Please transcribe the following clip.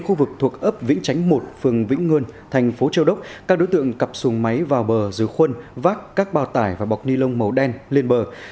khu vực thuộc ấp vĩnh chánh một phường vĩnh ngươn thành phố châu đốc các đối tượng cặp xuồng máy vào bờ dưới khuôn vác các bao tải và bọc ni lông màu đen lên bờ